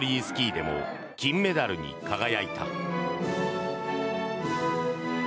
スキーでも金メダルに輝いた。